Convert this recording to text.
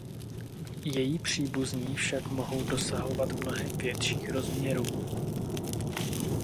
Její příbuzní však mohou dosahovat mnohem větších rozměrů.